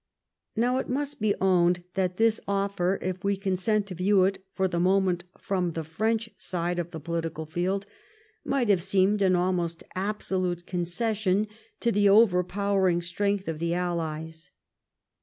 Now, it must be owned that this offer, if we consent to view it for the moment from the French side of the political field, might have seemed an almost absolute concession to the overpowering strength of the allies.